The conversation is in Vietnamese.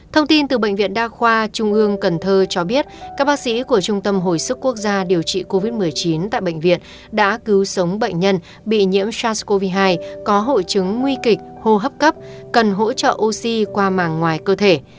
thông tin từ bệnh viện đa khoa trung ương cần thơ cho biết các bác sĩ của trung tâm hồi sức quốc gia điều trị covid một mươi chín tại bệnh viện đã cứu sống bệnh nhân bị nhiễm sars cov hai có hội chứng nguy kịch hô hấp cấp cần hỗ trợ oxy qua màng ngoài cơ thể